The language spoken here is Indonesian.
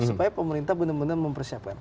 supaya pemerintah benar benar mempersiapkan